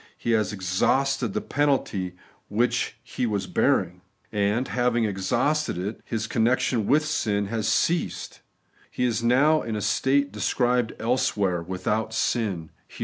He has exhausted the penalty which He was bearing ; and having exhausted it, His connection with sin has ceased : He is now in the state described elsewhere, 'without sin' (Heb.